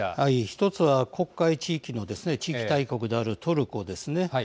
１つは黒海地域の地域大国であるトルコですね。